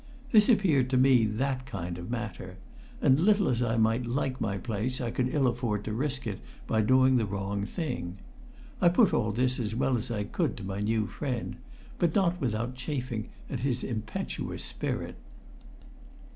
This appeared to me that kind of matter, and little as I might like my place I could ill afford to risk it by doing the wrong thing. I put all this as well as I could to my new friend, but not without chafing his impetuous spirit.